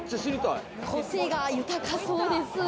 個性が豊かそうです。